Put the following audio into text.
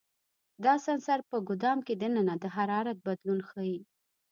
دا سنسر په ګدام کې دننه د حرارت بدلون ښيي.